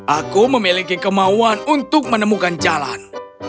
aku memiliki kemauan untuk menemukan jalan